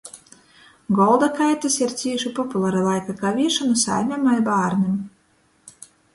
Golda kaitys ir cīši populara laika kaviešona saimem ar bārnim.